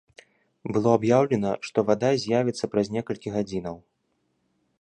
Было аб'яўлена, што вада з'явіцца праз некалькі гадзінаў.